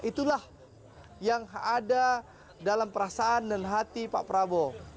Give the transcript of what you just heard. itulah yang ada dalam perasaan dan hati pak prabowo